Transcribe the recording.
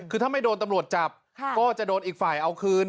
คือถ้าไม่โดนตำรวจจับก็จะโดนอีกฝ่ายเอาคืน